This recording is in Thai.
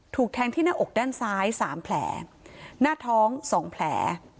ถูกแทงที่หน้าอกด้านซ้ายสามแผลหน้าท้องสองแผล